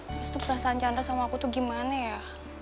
terus tuh perasaan chandra sama aku tuh gimana ya